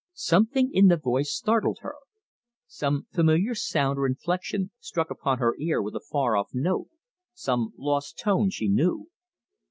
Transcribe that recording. Something in the voice startled her. Some familiar sound or inflection struck upon her ear with a far off note, some lost tone she knew.